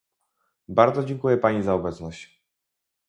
Bardzo dziękuję Pani za obecność